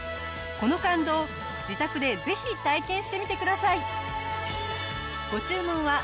この感動自宅でぜひ体験してみてください。